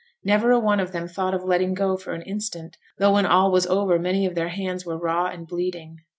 Never a one of them thought of letting go for an instant, though when all was over many of their hands were raw and bleeding.